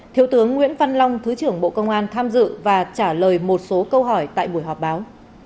thiếu tướng nguyễn văn long thứ trưởng bộ công an tham dự và trả lời một số câu hỏi tại buổi họp báo